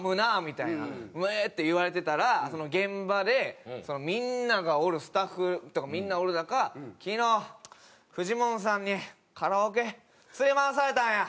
うわーって言われてたら現場でみんながおるスタッフとかみんなおる中「昨日フジモンさんにカラオケ連れ回されたんや」みたいな。